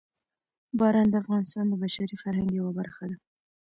باران د افغانستان د بشري فرهنګ یوه برخه ده.